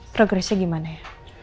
progresnya gimana ya